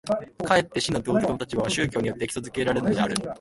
かえって真の道徳の立場は宗教によって基礎附けられるのである。